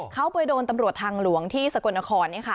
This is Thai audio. เขาไปโดนตำรวจทางหลวงที่สกลนครเนี่ยค่ะ